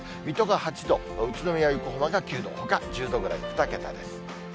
水戸が８度、宇都宮、横浜が９度、ほか１０度くらい、２桁です。